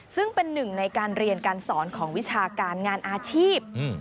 ซึ่งเป็นหนึ่งในการเรียนการสอนของวิชาการงานอาชีพ